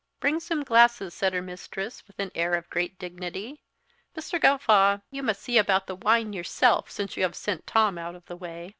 "Bring some glasses," said her mistress, with an air of great dignity. "Mr. Gawffaw, you must see about the wine yourself since you have sent Tom out of the way."